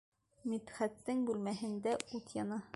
Мидхәттең бүмәһендә ут яна.